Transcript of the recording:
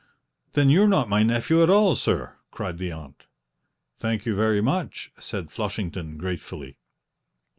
"Then you're not my nephew at all, sir!" cried the aunt. "Thank you very much," said Flushington gratefully.